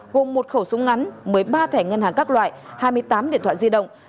gồm một khẩu súng ngắn mới ba thẻ ngân hàng các loại hai mươi tám điện thoại di động